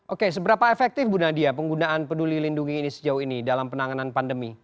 oke seberapa efektif bu nadia penggunaan peduli lindungi ini sejauh ini dalam penanganan pandemi